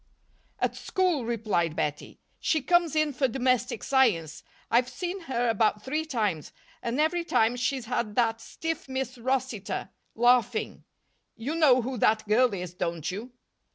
"At school," replied Bettie. "She comes in for Domestic Science. I've seen her about three times, and every time she's had that stiff Miss Rossitor laughing. You know who that girl is, don't you?"